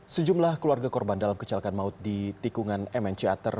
sejumlah keluarga korban dalam kecelakaan maut di tikungan mnc atar